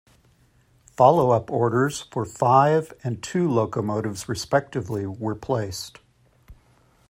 Follow-up orders for five and two locomotives respectively were placed.